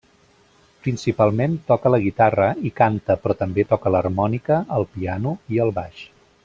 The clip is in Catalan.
Principalment toca la guitarra i canta però també toca l'harmònica, el piano i el baix.